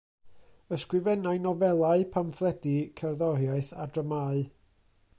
Ysgrifennai nofelau, pamffledi, cerddoriaeth a dramâu.